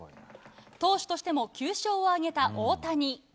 投手としても９勝を挙げた大谷。